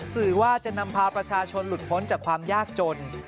สื่อว่าจะนำพาประชาชนหลุดพ้นจากความยากจน